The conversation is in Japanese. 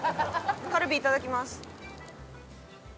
カルビいただきます。